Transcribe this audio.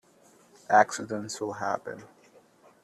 Accidents will happen.